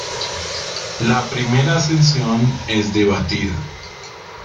La primera ascensión es debatida.